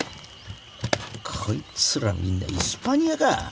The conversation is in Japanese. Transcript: こいつらみんなイスパニアか！